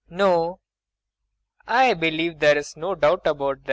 ] No, I believe there's no doubt about that.